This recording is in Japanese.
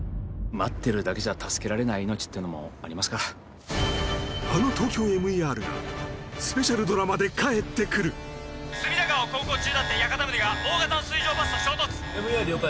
待ってるだけじゃ助けられない命ってのもありますからあの「ＴＯＫＹＯＭＥＲ」がスペシャルドラマで帰ってくる隅田川を航行中だった屋形船が大型の水上バスと衝突ＭＥＲ了解